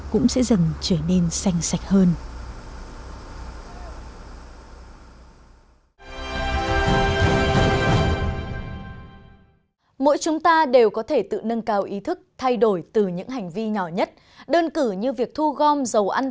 cũng sẽ dần trở nên xanh sạch hơn